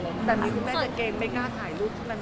แต่คุณแม่จะเกรงไม่กล้าถ่ายรูป